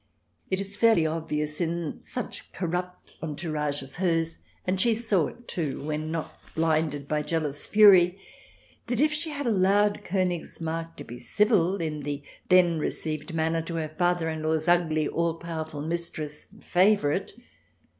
It is fairly obvious in such corrupt entourage as hers — and she saw it, too, when not blinded by jealous fury — that if she had allowed KOnigsmarck to be civil, in the then received manner, to her father in law's ugly, all powerful mistress and favourite.